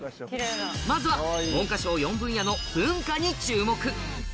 まずは文科省４分野の文化に注目